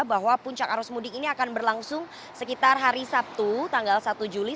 bahwa puncak arus mudik ini akan berlangsung sekitar hari sabtu tanggal satu juli